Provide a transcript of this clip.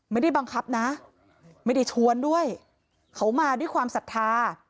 ไม่ได้บังคับนะไม่ได้ชวนด้วยเขามาด้วยความศรัทธา